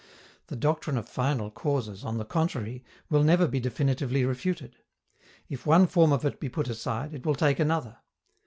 The doctrine of final causes, on the contrary, will never be definitively refuted. If one form of it be put aside, it will take another.